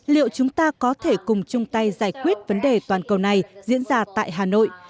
liệu chúng ta có thể cùng chung tay giải quyết vấn đề toàn cầu này diễn ra tại hà nội